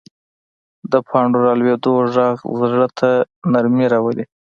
د پاڼو رالوېدو غږ زړه ته نرمي راولي